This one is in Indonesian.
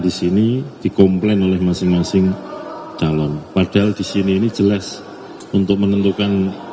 di sini dikomplain oleh masing masing calon padahal disini ini jelas untuk menentukan